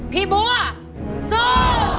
พี่บัวสู้